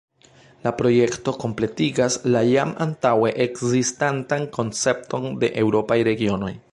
La projekto kompletigas la jam antaŭe ekzistantan koncepton de eŭropaj regionoj.